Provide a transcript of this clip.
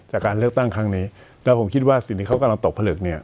จากการเลือกตั้งครั้งนี้แล้วผมคิดว่าสิ่งที่เขากำลังตกผลึกเนี่ย